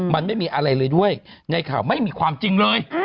มันไม่มีอะไรเลยด้วยในข่าวไม่มีความจริงเลย